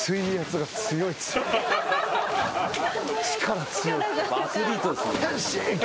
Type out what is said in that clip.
力強い。